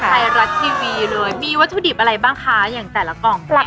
ไทยรัฐทีวีเลยมีวัตถุดิบอะไรบ้างคะอย่างแต่ละกล่อง